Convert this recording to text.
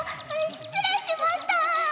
失礼しました！